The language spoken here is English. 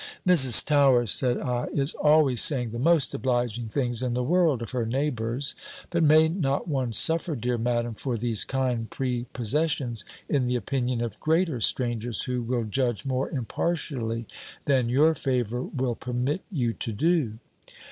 "Mrs. Towers," said I, "is always saying the most obliging things in the world of her neighbours: but may not one suffer, dear Madam, for these kind prepossessions, in the opinion of greater strangers, who will judge more impartially than your favour will permit you to do?"